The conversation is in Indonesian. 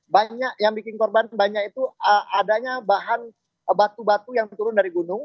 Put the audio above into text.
banyak yang bikin korban banyak itu adanya bahan batu batu yang turun dari gunung